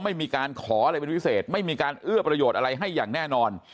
ไม่มีการขออะไรเป็นพิเศษไม่มีการเอื้อประโยชน์อะไรให้อย่างแน่นอน